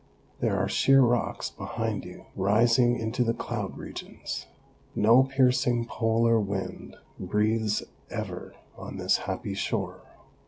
There are sheer rocks behind you, rising OBERMANN 127 into the cloud regions. No piercing polar wind breathes ever on this happy shore.